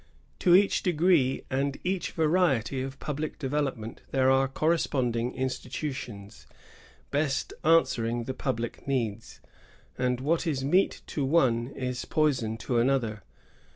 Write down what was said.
To each degree and each variety of public development there are corresponding institutions, best answering the public needs; and what is meat to one is poison to another.